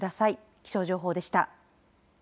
気象情報でした。